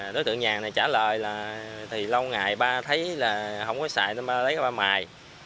đối tượng nhàn này trả lời là thì lâu ngày ba thấy là không có xài nên ba lấy qua mài